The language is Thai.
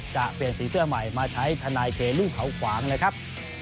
จะเปลี่ยนสีเสื้อใหม่มาใช้ทนายเครุ่งเขาขวางนะครับ